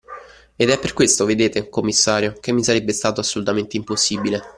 Ed è per questo, vedete, commissario, che mi sarebbe stato assolutamente impossibile.